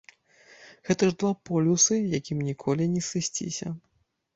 Гэта ж два полюсы, якім ніколі не сысціся.